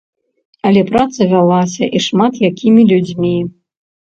Але праца вялася, і шмат якімі людзьмі.